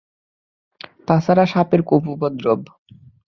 তা ছাড়া খুব সাপের উপদ্রব।